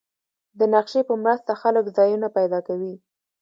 د نقشې په مرسته خلک ځایونه پیدا کوي.